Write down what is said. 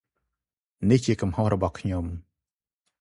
នេះជាកំហុសរបស់ខ្ញុំ ។